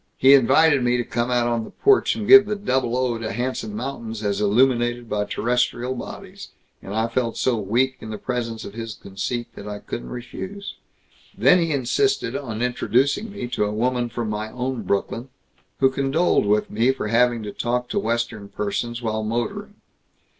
"He invited me to come out on the porch and give the double O. to handsome mountains as illuminated by terrestrial bodies, and I felt so weak in the presence of his conceit that I couldn't refuse. Then he insisted on introducing me to a woman from my own Brooklyn, who condoled with me for having to talk to Western persons while motoring.